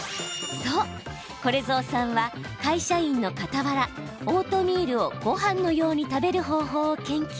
そうこれぞうさんは会社員のかたわらオートミールをごはんのように食べる方法を研究。